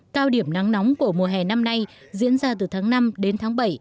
cao điểm nắng nóng của mùa hè năm nay diễn ra từ tháng năm đến tháng bảy